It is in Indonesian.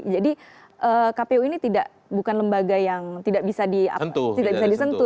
jadi kpu ini bukan lembaga yang tidak bisa disentuh